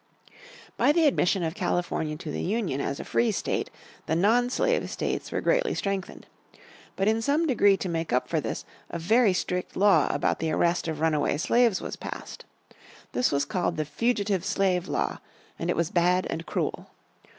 By the admission of California to the Union as a free state the non slave states were greatly strengthened. But in some degree to make up for this, a very strict law about the arrest of runaway slaves was passed. This was called the Fugitive Slave Law and it was bad and cruel.